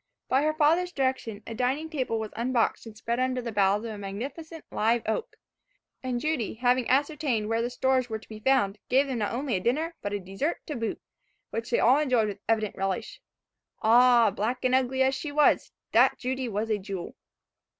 By her father's direction, a dining table was unboxed and spread under the boughs of a magnificent live oak, and Judy, having ascertained where the stores were to be found, gave them not only a dinner, but a dessert to boot, which they all enjoyed with evident relish. Ah! black and ugly as she was, that Judy was a jewel.